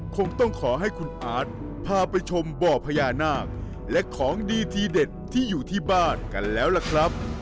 คงต้องขอให้คุณอาร์ตพาไปชมบ่อพญานาคและของดีทีเด็ดที่อยู่ที่บ้านกันแล้วล่ะครับ